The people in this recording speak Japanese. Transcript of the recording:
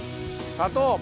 砂糖。